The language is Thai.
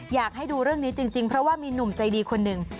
อยากให้ดูเรื่องนี้จริงเพราะว่ามีหนุ่มใจดีคนหนึ่ง